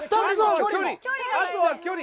あとは距離。